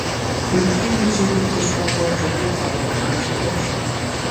ویل کیږي چې دلته شاوخوا څلویښت صحابه کرام شهیدان شوي.